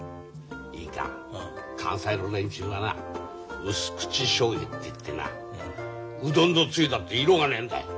いいか関西の連中はな薄口しょうゆっていってなうどんのつゆだって色がねえんだ。